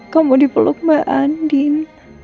kamu dipeluk mbak andin